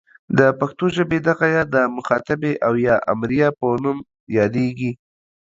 د پښتو ژبې دغه ئ د مخاطبې او یا امریه په نوم یادیږي.